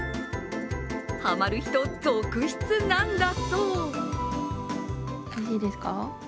ハマる人続出なんだそう。